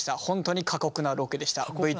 本当に過酷なロケでした。